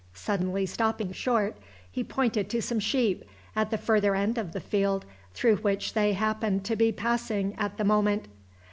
Suddenly stopping short, he pointed to some sheep, at the further end of the field through which they happened to be passing at the moment.